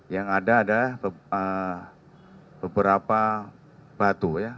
yang ada ada beberapa batu ya